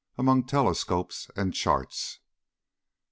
AMONG TELESCOPES AND CHARTS.